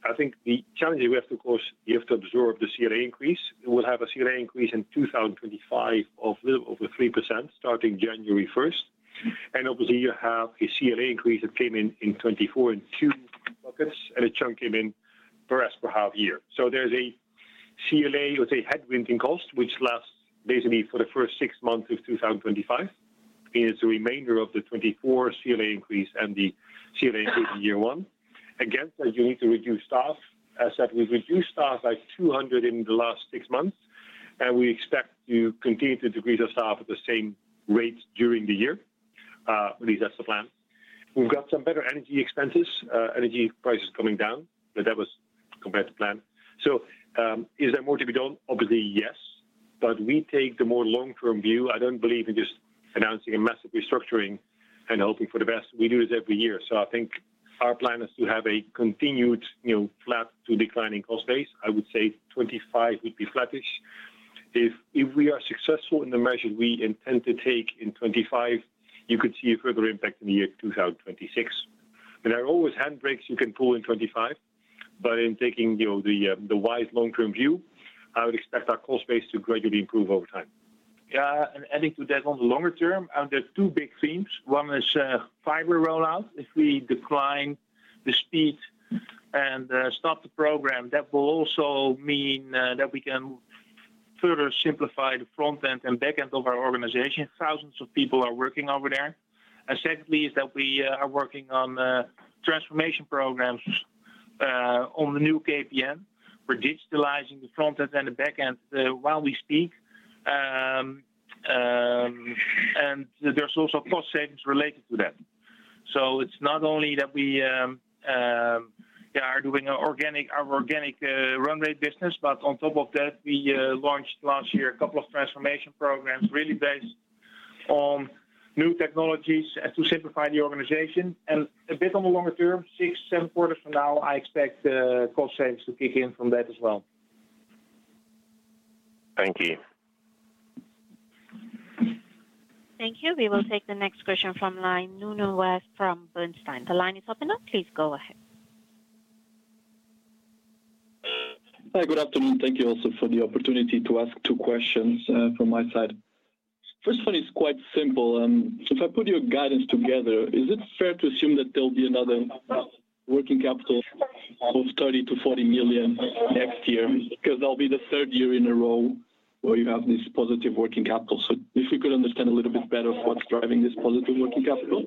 I think the challenge we have, of course, you have to absorb the CLA increase. We'll have a CLA increase in 2025 of over 3% starting January 1st. And obviously, you have a CLA increase that came in in 2024 in two buckets, and a chunk came in for us for half a year. So there's a CLA, let's say, headwind in cost, which lasts basically for the first six months of 2025. It's the remainder of the 2024 CLA increase and the CLA increase in year one. Again, you need to reduce staff. As I said, we've reduced staff by 200 in the last six months, and we expect to continue to decrease our staff at the same rate during the year. At least that's the plan. We've got some better energy expenses. Energy prices are coming down. That was compared to plan. So is there more to be done? Obviously, yes. But we take the more long-term view. I don't believe in just announcing a massive restructuring and hoping for the best. We do this every year. So I think our plan is to have a continued flat to declining cost base. I would say 2025 would be flattish. If we are successful in the measures we intend to take in 2025, you could see a further impact in the year 2026. There are always handbrakes you can pull in 2025, but in taking the wise long-term view, I would expect our cost base to gradually improve over time. Yeah. Adding to that on the longer term, there are two big themes. One is fiber rollout. If we decline the speed and stop the program, that will also mean that we can further simplify the front end and back end of our organization. Thousands of people are working over there. Secondly is that we are working on transformation programs on the new KPN. We're digitalizing the front end and the back end while we speak. And there's also cost savings related to that. So it's not only that we are doing our organic runway business, but on top of that, we launched last year a couple of transformation programs really based on new technologies to simplify the organization. A bit on the longer term, six, seven quarters from now, I expect cost savings to kick in from that as well. Thank you. Thank you. We will take the next question from the line of Nuno Vaz from Bernstein. The line is open. Please go ahead. Hi. Good afternoon. Thank you also for the opportunity to ask two questions from my side. First one is quite simple. So if I put your guidance together, is it fair to assume that there will be another working capital of 30 to 40 million next year? Because that'll be the third year in a row where you have this positive working capital. So if we could understand a little bit better what's driving this positive working capital?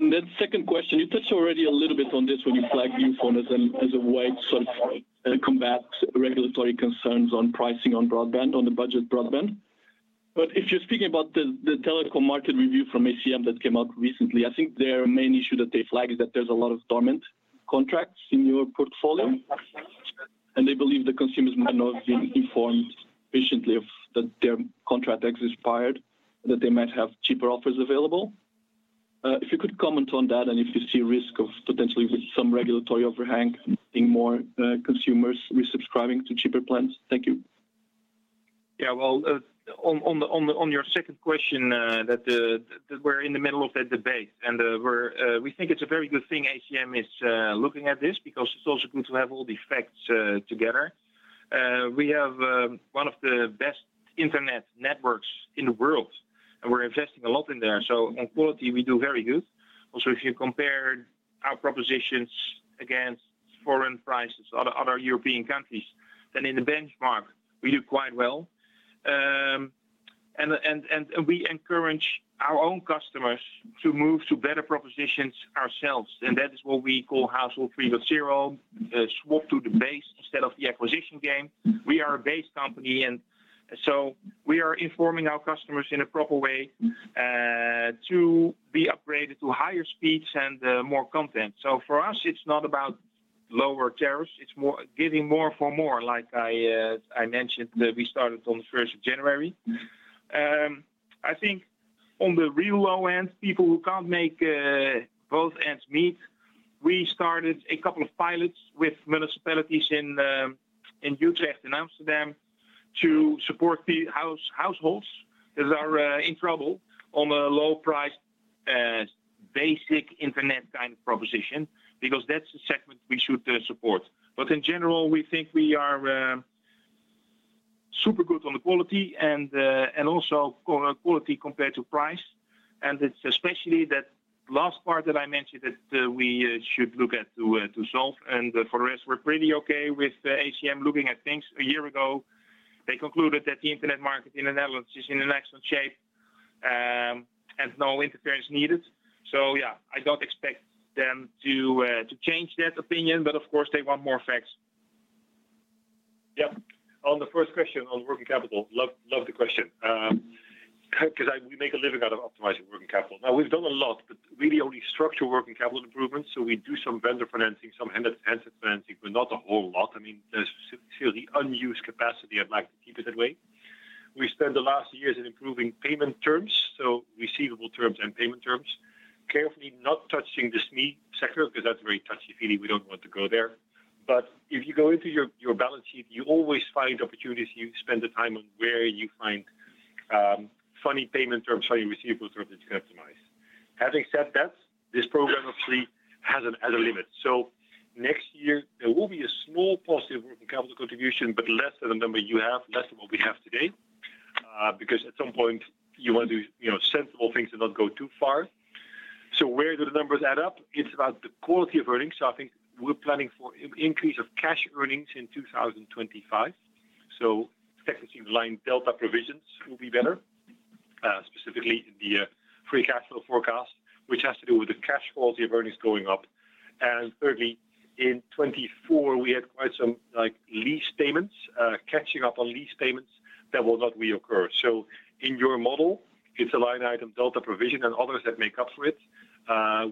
And then, second question, you touched already a little bit on this when you flagged Youfone as a way to sort of combat regulatory concerns on pricing on broadband, on the budget broadband. But if you're speaking about the telecom market review from ACM that came out recently, I think their main issue that they flagged is that there's a lot of dormant contracts in your portfolio. And they believe the consumers might not have been informed efficiently of that their contract has expired, that they might have cheaper offers available. If you could comment on that and if you see risk of potentially with some regulatory overhang, seeing more consumers resubscribing to cheaper plans. Thank you. Yeah. Well, on your second question, that we're in the middle of that debate. And we think it's a very good thing ACM is looking at this because it's also good to have all the facts together. We have one of the best internet networks in the world, and we're investing a lot in there. So on quality, we do very good. Also, if you compare our propositions against foreign prices, other European countries, then in the benchmark, we do quite well. And we encourage our own customers to move to better propositions ourselves. And that is what we call household 3.0, swap to the base instead of the acquisition game. We are a base company. And so we are informing our customers in a proper way to be upgraded to higher speeds and more content. So for us, it's not about lower tariffs. It's more giving more for more. Like I mentioned, we started on the 1st of January. I think on the real low end, people who can't make both ends meet, we started a couple of pilots with municipalities in Utrecht and Amsterdam to support the households that are in trouble on a low-priced basic internet kind of proposition because that's the segment we should support. But in general, we think we are super good on the quality and also quality compared to price. And it's especially that last part that I mentioned that we should look at to solve. And for the rest, we're pretty okay with ACM looking at things. A year ago, they concluded that the internet market in the Netherlands is in excellent shape and no interference needed. So yeah, I don't expect them to change that opinion, but of course, they want more facts. Yeah. Yeah On the first question on working capital, love the question because we make a living out of optimizing working capital. Now, we've done a lot, but really only structural working capital improvements. So we do some vendor financing, some handset financing, but not a whole lot. I mean, there's still the unused capacity. I'd like to keep it that way. We spend the last years in improving payment terms, so receivable terms and payment terms. Carefully not touching the SME sector because that's very touchy-feely. We don't want to go there. But if you go into your balance sheet, you always find opportunities. You spend the time on where you find funny payment terms or your receivable terms that you can optimize. Having said that, this program obviously has a limit. So next year, there will be a small positive working capital contribution, but less than the number you have, less than what we have today because at some point, you want to do sensible things and not go too far. So where do the numbers add up? It's about the quality of earnings. So I think we're planning for an increase of cash earnings in 2025. So technically, line delta provisions will be better, specifically the free cash flow forecast, which has to do with the cash quality of earnings going up. And thirdly, in 2024, we had quite some lease payments catching up on lease payments that will not reoccur. So in your model, it's a line item delta provision and others that make up for it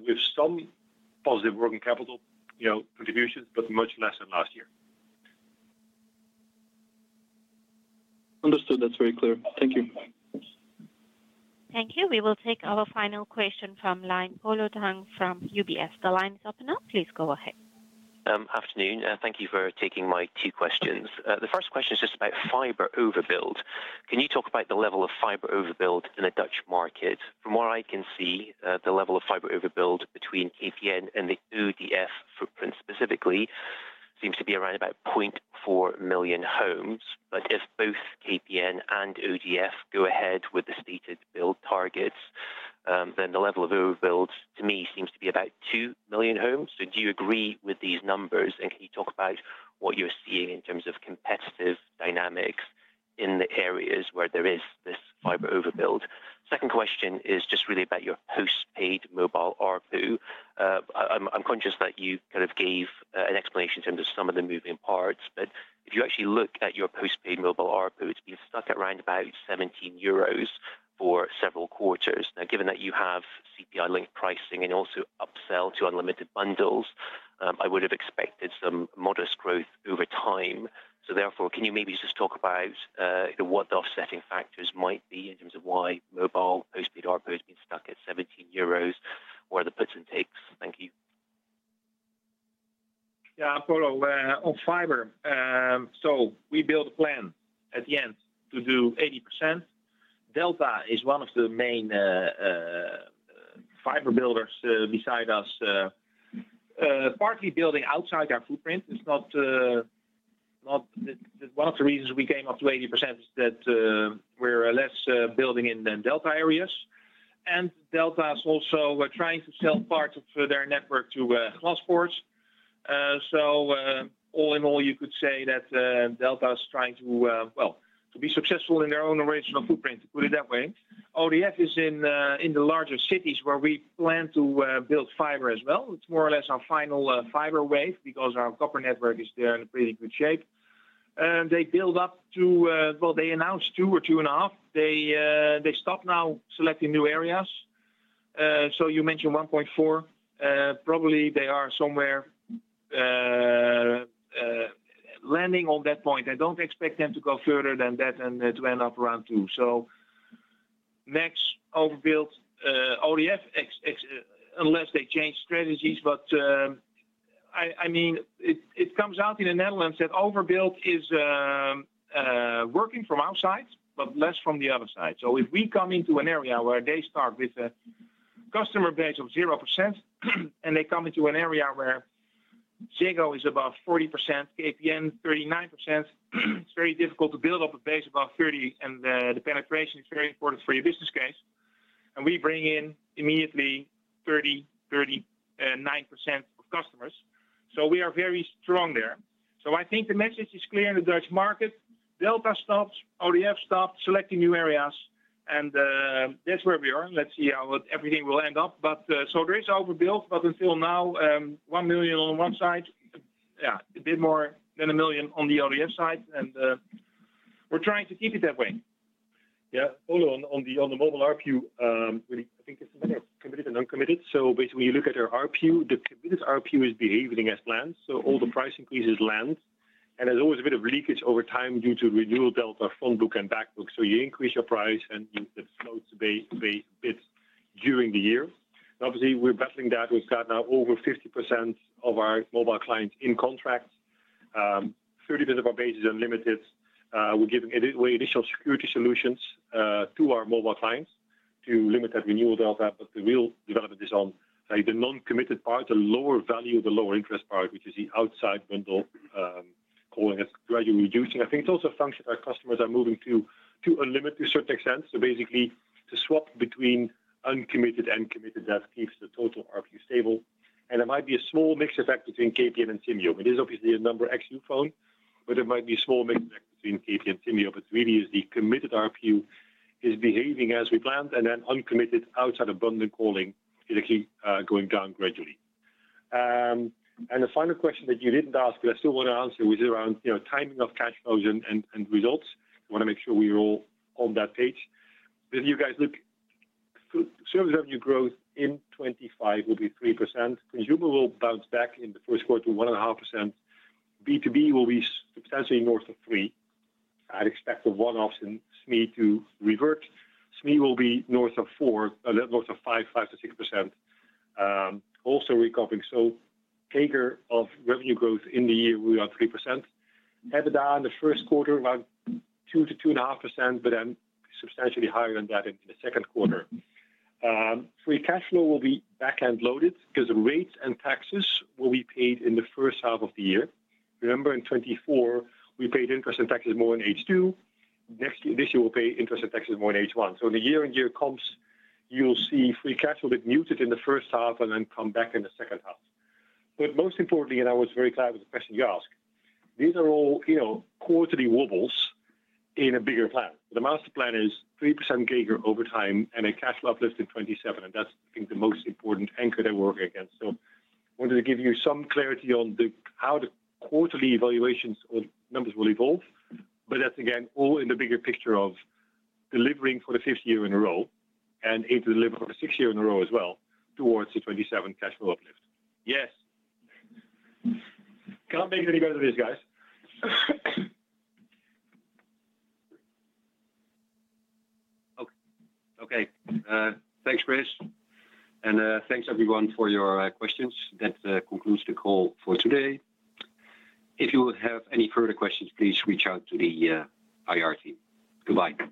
with some positive working capital contributions, but much less than last year. Understood. That's very clear. Thank you. Thank you. We will take our final question from Polo Tang from UBS. The line is open. Please go ahead. Afternoon. Thank you for taking my two questions. The first question is just about fiber overbuild. Can you talk about the level of fiber overbuild in the Dutch market? From what I can see, the level of fiber overbuild between KPN and the ODF footprint specifically seems to be around about 0.4 million homes. But if both KPN and ODF go ahead with the stated build targets, then the level of overbuild, to me, seems to be about 2 million homes. So do you agree with these numbers? And can you talk about what you're seeing in terms of competitive dynamics in the areas where there is this fiber overbuild? Second question is just really about your postpaid mobile ARPU. I'm conscious that you kind of gave an explanation in terms of some of the moving parts, but if you actually look at your postpaid mobile ARPU, it's been stuck at around about 17 euros for several quarters. Now, given that you have CPI-linked pricing and also upsell to unlimited bundles, I would have expected some modest growth over time. So therefore, can you maybe just talk about what the offsetting factors might be in terms of why mobile postpaid ARPU has been stuck at 17 euros? What are the puts and takes? Thank you. Yeah. On fiber, so we build a plan at the end to do 80%. Delta is one of the main fiber builders beside us, partly building outside our footprint. One of the reasons we came up to 80% is that we're less building in the delta areas. And Delta is also trying to sell part of their network to Glaspoort. So all in all, you could say that Delta is trying to, well, to be successful in their own original footprint, to put it that way. ODF is in the larger cities where we plan to build fiber as well. It's more or less our final fiber wave because our copper network is in pretty good shape. They build up to, well, they announced two or two and a half. They stop now selecting new areas. So you mentioned 1.4. Probably they are somewhere landing on that point. I don't expect them to go further than that and to end up around two. So next, overbuild. ODF, unless they change strategies, but I mean, it comes out in the Netherlands that overbuild is working from outside, but less from the other side. If we come into an area where they start with a customer base of 0% and they come into an area where Ziggo is above 40%, KPN 39%, it's very difficult to build up a base above 30%, and the penetration is very important for your business case. We bring in immediately 30, 39% of customers. We are very strong there. The message is clear in the Dutch market. Delta stops, ODF stops selecting new areas, and that's where we are. Let's see how everything will end up. There is overbuild, but until now, 1 million on one side, yeah, a bit more than a million on the ODF side. We're trying to keep it that way. Yeah. On the mobile ARPU, I think it's a matter of committed and uncommitted. So basically, when you look at their ARPU, the committed ARPU is behaving as planned. So all the price increases land. And there's always a bit of leakage over time due to renewal delta front book and back book. So you increase your price and you float the base a bit during the year. Obviously, we're battling that. We've got now over 50% of our mobile clients in contracts. 30% of our base is unlimited. We're giving away additional security solutions to our mobile clients to limit that renewal delta. But the real development is on the non-committed part, the lower value, the lower interest part, which is the out-of-bundle calling is gradually reducing. I think it's also a function that our customers are moving to unlimited to a certain extent. So basically, to swap between uncommitted and committed, that keeps the total ARPU stable. There might be a small mixed effect between KPN and Simyo. It is obviously a number ex-Youfone, but there might be a small mixed effect between KPN and Simyo. But really, it is the committed ARPU is behaving as we planned, and then uncommitted outside of bundle calling is actually going down gradually. The final question that you didn't ask, but I still want to answer, which is around timing of cash flows and results. I want to make sure we're all on that page. If you guys look, service revenue growth in 2025 will be 3%. Consumer will bounce back in the first quarter, 1.5%. B2B will be substantially north of 3%. I'd expect the one-offs in SME to revert. SME will be north of 4, north of 5, 5 to 6%, also recovering. CAGR of revenue growth in the year will be around 3%. EBITDA in the first quarter, around 2%-2.5%, but then substantially higher than that in the second quarter. Free cash flow will be back-loaded because rates and taxes will be paid in the first half of the year. Remember, in 2024, we paid interest and taxes more in H2. This year, we'll pay interest and taxes more in H1. So in the year-on-year comps, you'll see free cash flow that's muted in the first half and then come back in the second half. But most importantly, and I was very glad with the question you asked, these are all quarterly wobbles in a bigger plan. The master plan is 3% CAGR over time and a cash flow uplift in 2027. That's, I think, the most important anchor that we're working against. So I wanted to give you some clarity on how the quarterly evaluations or numbers will evolve. But that's, again, all in the bigger picture of delivering for the fifth year in a row and aim to deliver for the sixth year in a row as well towards the 2027 cash flow uplift. Yes. Can't make it any better than this, guys. Okay. Okay. Thanks, Chris. And thanks, everyone, for your questions. That concludes the call for today. If you have any further questions, please reach out to the IR team. Goodbye.